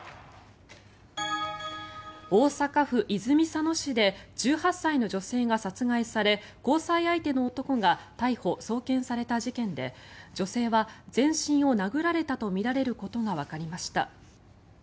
大阪府泉佐野市で１８歳の女性が殺害され交際相手の男が逮捕・送検された事件で女性は全身を殴られたとみられることがわかりました。